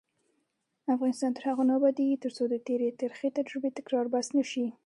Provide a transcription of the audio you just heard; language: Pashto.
افغانستان تر هغو نه ابادیږي، ترڅو د تېرې تروخې تجربې تکرار بس نه شي.